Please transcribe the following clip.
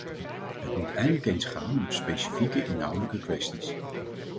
Het moet eindelijk eens gaan om specifieke, inhoudelijke kwesties.